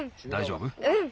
うん。